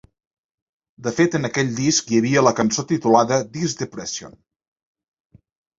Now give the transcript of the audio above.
De fet, en aquell disc hi havia una cançó titulada ‘This Depression’.